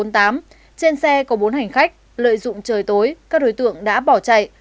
trên xe có bốn hành khách lợi dụng trời tối các đối tượng đã bỏ chạy